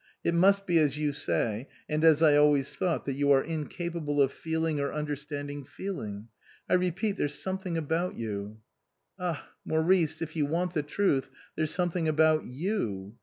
It must be as you say, and as I always thought, that you are incapable of feeling or understand ing feeling. I repeat, there's something about you "" Ah, Maurice, if you want the truth, there's something about you.